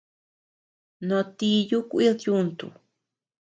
No tíyu kuid yuntu.